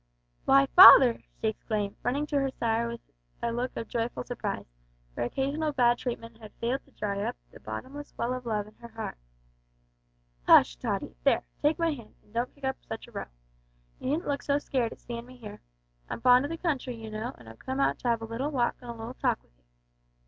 "Why, father!" she exclaimed, running to her sire with a look of joyful surprise, for occasional bad treatment had failed to dry up the bottomless well of love in her little heart. "Hush! Tottie; there take my hand, an' don't kick up such a row. You needn't look so scared at seein' me here. I'm fond o' the country, you know, an' I've come out to 'ave a little walk and a little talk with you.